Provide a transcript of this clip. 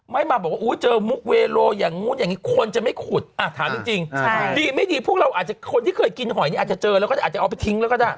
ไม่มาบ่วนอยากอยู่เจอบูกเวโรอย่างนู้นอย่างนี้